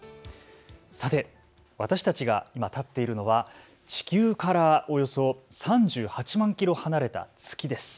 さて私たちが今、立っているのは地球からおよそ３８万キロ離れた月です。